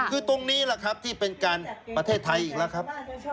คือตรงนี้แหละครับที่เป็นการประเทศไทยอีกแล้วครับ